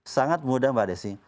sangat mudah mbak desi